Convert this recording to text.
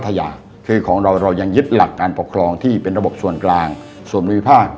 ขยะคือของเราเรายังยึดหลักการปกครองที่เป็นระบบส่วนกลางส่วนบริภาค